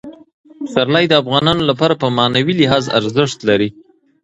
پسرلی د افغانانو لپاره په معنوي لحاظ ارزښت لري.